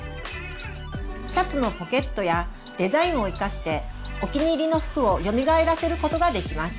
シャツのポケットやデザインを生かしてお気に入りの服をよみがえらせることができます。